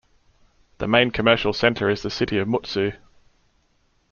The main commercial centre is the city of Mutsu.